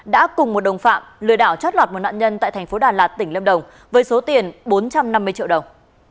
đã cùng một đồng phạm lừa đảo chót lọt một nạn nhân tại thành phố đà lạt tỉnh lâm đồng với số tiền bốn trăm năm mươi triệu đồng